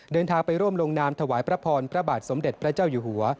เดินทางไปร่วมลงนามถวายพระพรพระบาทสมเด็จพระเจ้าอยู่หัว